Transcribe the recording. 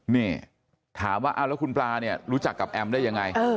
นี่ถามว่าแล้วคุณปลาเนี่ยรู้จักกับแอมได้ยังไง